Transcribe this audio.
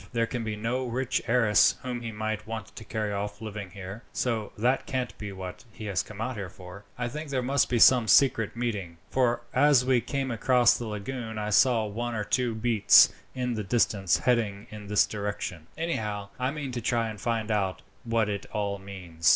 There can be no rich heiress whom he might want to carry off living here, so that can't be what he has come for. I think there must be some secret meeting, for as we came across the lagoon I saw one or two beats in the distance heading in this direction. Anyhow, I mean to try and find out what it all means."